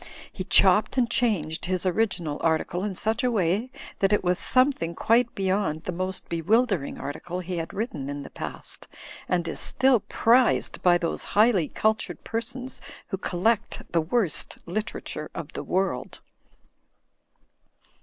He chopped and changed his original article in such a way that it was something quite beyond the most bewilder ing article he had written in the past; and is still prized by those highly cultured persons who collect the worst literature of the world.